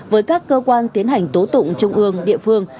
với các cơ quan tiến hành tố tụng trung ương địa phương